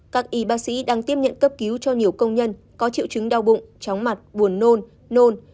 các y bác sĩ đang tiếp nhận cấp cứu cho nhiều công nhân có triệu chứng đau bụng chóng mặt buồn nôn nôn